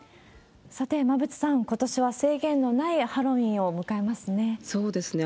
さて、馬渕さん、ことしは制限のないハロウィーンを迎えますね。